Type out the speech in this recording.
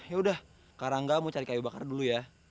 yaudah kak rangga mau cari kayu bakar dulu ya